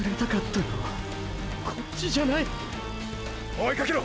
追いかけろ！！